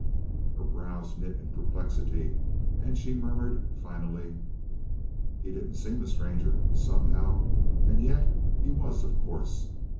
Her brows knit in perplexity and she murmured finally: "He didn't seem a stranger, somehow and yet he was, of course.